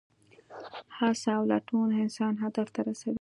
هڅه او لټون انسان هدف ته رسوي.